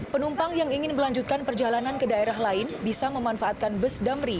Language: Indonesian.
penumpang yang ingin melanjutkan perjalanan ke daerah lain bisa memanfaatkan bus damri